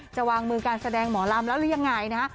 จะวางมือการแสดงหมอลำแล้วหรือยังไงนะฮะ